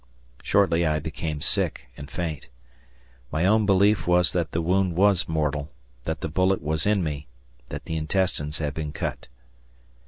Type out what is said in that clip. Shortly I became sick and faint. My own belief was that the wound was mortal; that the bullet was in me; that the intestines had been cut.